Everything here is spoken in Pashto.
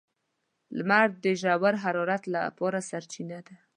• لمر د ژور حرارت لپاره سرچینه ده.